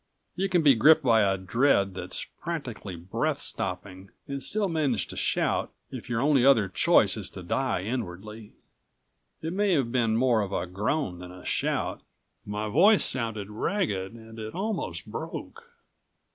You can be gripped by a dread that's practically breath stopping and still manage to shout, if your only other choice is to die inwardly. It may have been more of a groan than a shout. My voice sounded ragged and it almost broke.